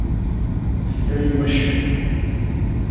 ستړي مه شئ